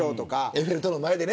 エッフェル塔の前でね。